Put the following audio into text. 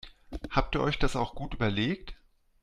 Habt ihr euch das auch gut überlegt?